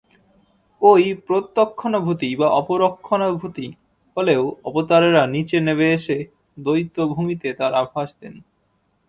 ঐ প্রত্যক্ষানুভূতি বা অপরোক্ষানুভূতি হলেও অবতারেরা নীচে নেবে এসে দ্বৈতভূমিতে তার আভাস দেন।